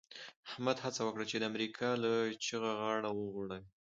احمد هڅه وکړه چې د امریکا له جغه غاړه وغړوي.